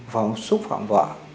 và xúc phạm vợ